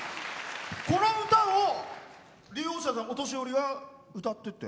この歌を利用者さんお年寄りの方が歌ってって？